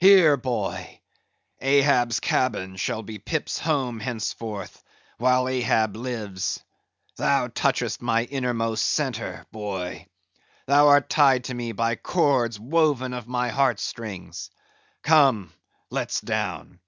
Here, boy; Ahab's cabin shall be Pip's home henceforth, while Ahab lives. Thou touchest my inmost centre, boy; thou art tied to me by cords woven of my heart strings. Come, let's down."